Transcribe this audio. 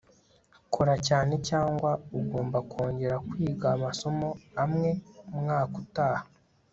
kora cyane, cyangwa ugomba kongera kwiga amasomo amwe umwaka utaha